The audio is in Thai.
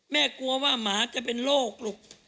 กลัวว่าหมาจะเป็นโรคลูก